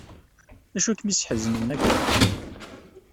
D acu i kem-yesḥeznen akka?